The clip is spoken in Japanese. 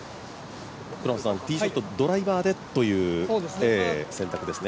ティーショット、ドライバーでという選択ですね。